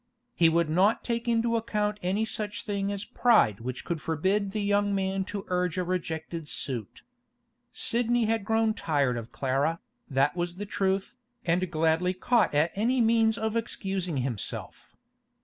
He would not take into account any such thing as pride which could forbid the young man to urge a rejected suit. Sidney had grown tired of Clara, that was the truth, and gladly caught at any means of excusing himself.